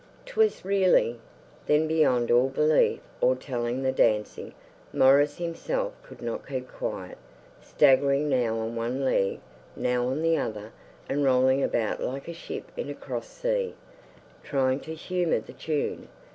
'Twas really then beyond all belief or telling the dancing. Maurice himself could not keep quiet; staggering now on one leg, now on the other, and rolling about like a ship in a cross sea, trying to humour the tune.